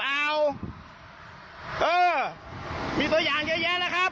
ไม่มีตัวอย่างเยอะแยะนะครับ